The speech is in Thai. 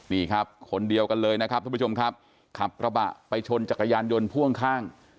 นี่ครับคนเดียวกันเลยนะครับทุกผู้ชมครับขับกระบะไปชนจักรยานยนต์พ่วงข้าง